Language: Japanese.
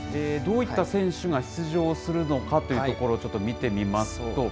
どういった選手が出場するのかというところをちょっと見てみますと。